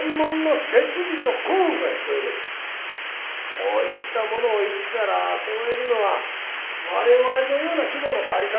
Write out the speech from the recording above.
そういったものを一からそろえるのは我々のような規模の会社では大変です。